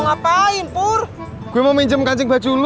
nge tender dengan bang